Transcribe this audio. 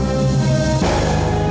gue mau pergi ke rumah